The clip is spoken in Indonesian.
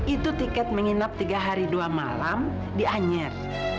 itu tiket menginap tiga hari dua malam di anyer